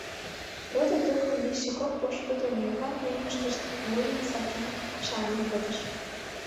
Родо-тукым лийше кок пошкудо мӧҥган-мӧҥгышкышт вуйым сакен шаланен пытыш.